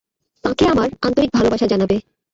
তাঁকে আমার আন্তরিক ভালবাসা জানাবে।